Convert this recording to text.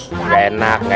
gimana dia yang takutnya